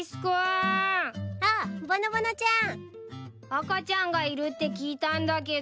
赤ちゃんがいるって聞いたんだけど。